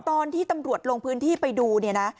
ตอนที่ตำรวจลงพื้นที่ไปดูเนี่ยนะ